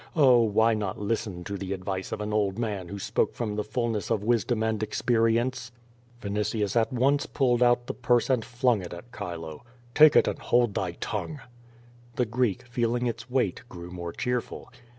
Oh! why not listen to the advice of an old man who spoke from the fullness of wisdom and experience? Vinitius at once pulled out the purse and flung it at Chilo. *'Takc it and hold thy tongue.^' The Greek, feeling its weight, grew more cheerful.